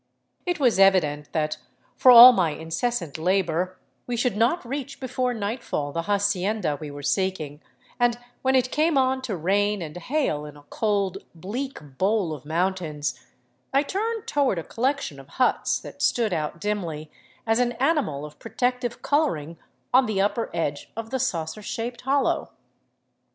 It was evident that, for all my incessant labor, we should not reach before nightfall the hacienda we were seeking, and when it came on to rain and hail in a cold, bleak bowl of mountains, I turned toward a collection of huts that stood out dimly as an animal of protective coloring on the upper edge of the saucer shaped hollow.